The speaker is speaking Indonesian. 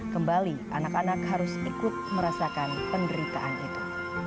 kembali anak anak harus ikut merasakan penderitaan itu